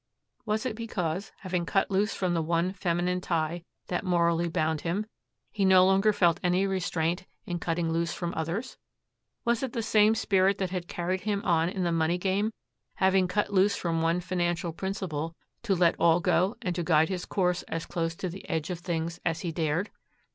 Was it because, having cut loose from the one feminine tie that morally bound him, he no longer felt any restraint in cutting loose from others? Was it the same spirit that had carried him on in the money game, having cut loose from one financial principle, to let all go and to guide his course as close to the edge of things as he dared?